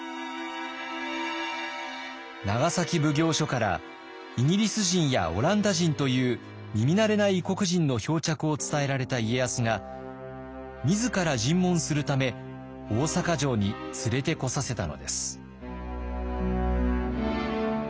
長崎奉行所からイギリス人やオランダ人という耳慣れない異国人の漂着を伝えられた家康が自ら尋問するため大坂城に連れてこさせたのです。